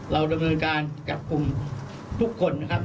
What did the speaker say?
เราจะบริเวณการจับกุมทุกคนนะครับ